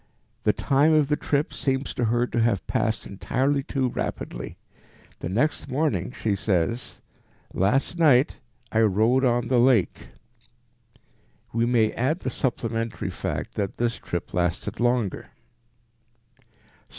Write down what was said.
The time of the trip seems to her to have passed entirely too rapidly. The next morning she says, "Last night I rode on the lake." We may add the supplementary fact that this trip lasted longer.